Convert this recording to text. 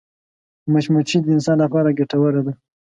مچمچۍ د انسان لپاره ګټوره ده